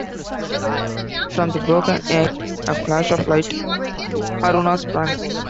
From the broken egg a flash of light, Aruna, sprang forth.